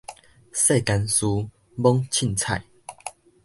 世間事，罔凊彩